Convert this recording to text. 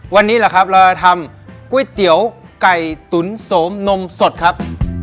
วันนี้แหละครับเราจะทำก๋วยเตี๋ยวไก่ตุ๋นโสมนมสดครับ